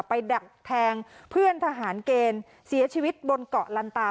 ดักแทงเพื่อนทหารเกณฑ์เสียชีวิตบนเกาะลันตา